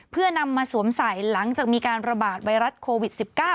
เพื่อนำมาสวมใส่หลังจากมีการระบาดไวรัสโควิด๑๙